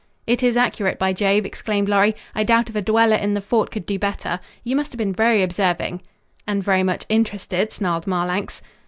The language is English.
"It is accurate, by Jove," exclaimed Lorry. "I doubt if a dweller in the fort could do better. You must have been very observing." "And very much interested," snarled Marlanx.